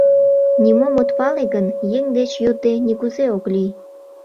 Нимом от пале гын, еҥ деч йодде нигузе ок лий.